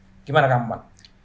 bagaimana kamu pak